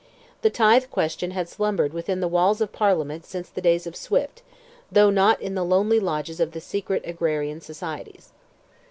The Tithe question had slumbered within the walls of Parliament since the days of Swift, though not in the lonely lodges of the secret agrarian societies.